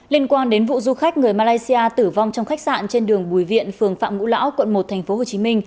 liên quan đến vụ du khách người malaysia tử vong trong khách sạn trên đường bùi viện phường phạm ngũ lão quận một tp hcm